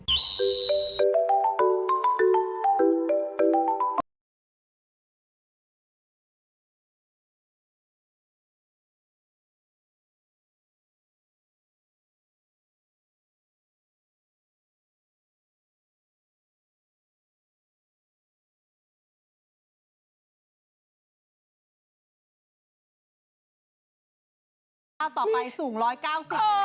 ตอนนี้ข้าวต่อไปสูง๑๙๐ค่ะ